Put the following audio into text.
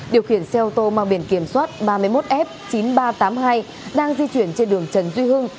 điều khiển xe ô tô mang biển kiểm soát ba mươi một f chín nghìn ba trăm tám mươi hai đang di chuyển trên đường trần duy hưng